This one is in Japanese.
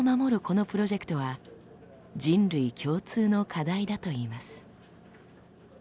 このプロジェクトは人類共通の課題だといいます。